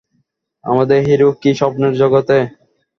আমাদের হিরো কি স্বপ্নের জগতে?